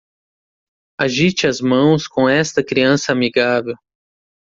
Agite as mãos com esta criança amigável.